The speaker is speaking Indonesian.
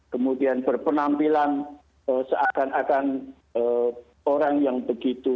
kemudian berpenampilan seakan akan orang yang begitu